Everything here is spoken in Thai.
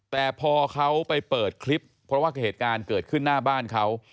แต่พอเขาไปเปิดคลิปเพราะว่าเหตุการณ์เกิดขึ้นหน้าบ้านเขา